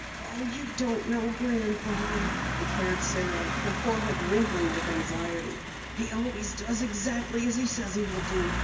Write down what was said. "Oh, you don't know Grandfather," declared Sara, her forehead wrinkling with anxiety. "He always does exactly as he says he will do.